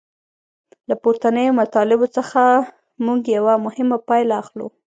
له پورتنیو مطالبو څخه موږ یوه مهمه پایله اخلو.